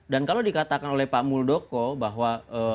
dan kalau dikatakan oleh pak muldoko bahwa